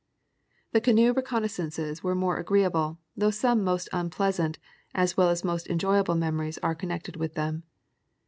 The canoe reconnaissances were more agreeable, though some most unpleasant as well as most enjoyable memories are connected with them.